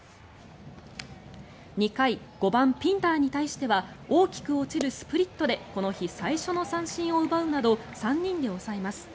２回５番、ピンダーに対しては大きく落ちるスプリットでこの日最初の三振を奪うなど３人で抑えます。